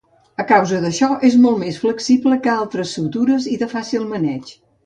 A causa d'això és molt més flexible que altres sutures i de fàcil maneig.